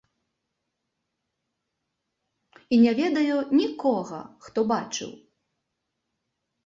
І не ведаю нікога, хто бачыў.